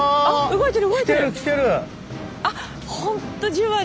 動いてる！